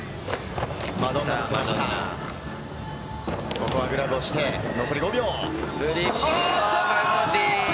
ここはグラブをして残り５秒。